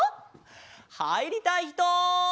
はいりたいひと？